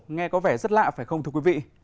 nghe có vẻ rất lạ phải không thưa quý vị